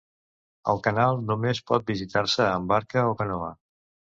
El canal només pot visitar-se amb barca o canoa.